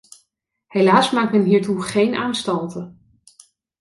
Helaas maakt men hiertoe geen aanstalten.